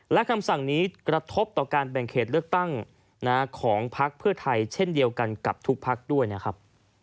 และคำสั่งนี้กระทบต่อการแบ่งเขตเลือกตั้งของพักเพื่อไทยเช่นเดียวกันกับทุกพักด้วยนะครับ